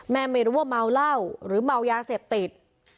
ไม่รู้ว่าเมาเหล้าหรือเมายาเสพติด